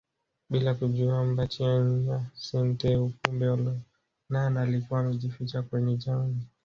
Bila kujua Mbatiany na Senteu kumbe Olonana alikuwa amejificha kwenye jamvi